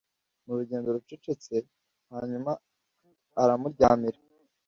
mu rugendo rucecete, hanyuma aramuryamiha